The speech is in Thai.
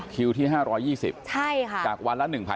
คิวที่๕๒๐จากวันละ๑๐๐